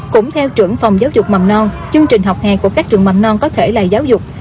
cũng theo trưởng phòng giáo dục mầm non chương trình học hè của các trường mầm non có thể là giáo dục